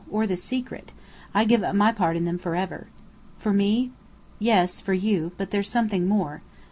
Or the secret. I give up my part in them forever." "For me?" "Yes, for you. But there's something more."